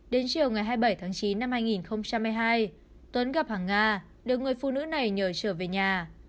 đến chiều ngày hai mươi bảy tháng chín năm hai nghìn hai mươi hai tuấn gặp hàng nga được người phụ nữ này nhờ trở về nhà